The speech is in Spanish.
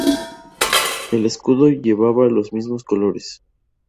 El escudo llevaba los mismos colores.